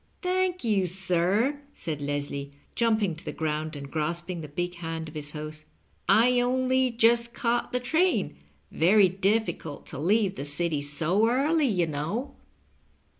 Thank you, sir," said Leslie, jumping to the ground and grasping the big hand of his host ;^' I only just caught the train — ^veiy difficult to leave the City so early, you know."